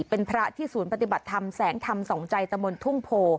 เป็นพระที่ศูนย์ปฏิบัติธรรมแสงธรรมสองใจตะมนต์ทุ่งโพ